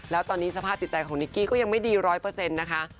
แล้วตอนนี้สภาพจิตใจของนิกกี้ก็ยังไม่ดี๑๐๐นะคะ